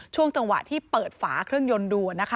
ช่วงจังหวะที่เปิดฝาเครื่องยนต์ดูนะคะ